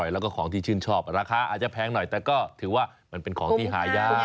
แล้วก็ของที่ชื่นชอบราคาอาจจะแพงหน่อยแต่ก็ถือว่ามันเป็นของที่หายาก